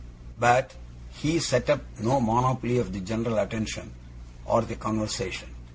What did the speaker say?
But he set up no monopoly of the general attention, or the conversation.